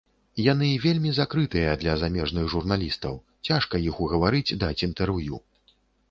Яны вельмі закрытыя для замежных журналістаў, цяжка іх угаварыць даць інтэрв'ю.